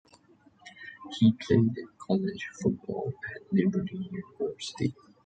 He played college football at Liberty University.